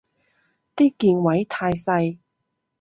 啲鍵位太細